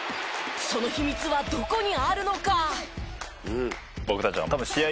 その秘密はどこにあるのか？